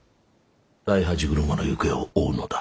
大八車の行方を追うのだ。